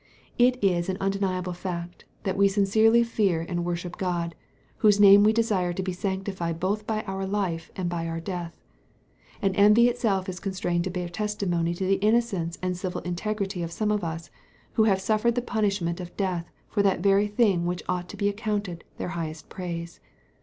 It is an undeniable fact, that we sincerely fear and worship God, whose name we desire to be sanctified both by our life and by our death; and envy itself is constrained to bear testimony to the innocence and civil integrity of some of us, who have suffered the punishment of death for that very thing which ought to be accounted their highest praise.